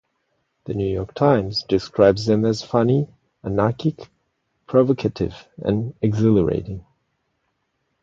The New York Times describes them as funny, anarchic, provocative and exhilarating.